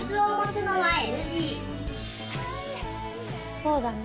そうだね。